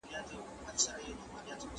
هغه ونه چې تېر کال مو کرلې وه شنه شوه.